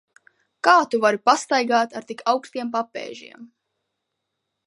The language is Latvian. Kā Tu vari pastaigāt ar tik augstiem papēžiem?